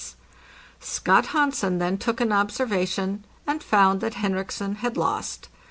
Scott Hansen then took an observa tion, and found that Henriksen had lost.